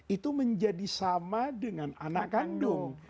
itu menjadi sama dengan anak kandung